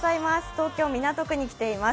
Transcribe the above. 東京・港区に来ています。